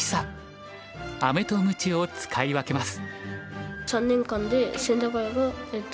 アメとムチを使い分けます。